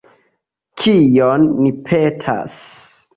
Kion ni petas.